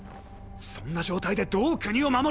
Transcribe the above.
そんな状態でどう国を守る？